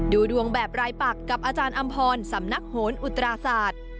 ดูดวงแบบรายปักกับอาจารย์อำพรสำนักโหนอุตราศาสตร์